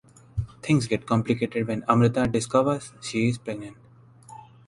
Things get complicated when Amrita discovers she is pregnant.